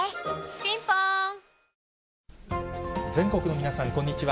ピンポーン全国の皆さん、こんにちは。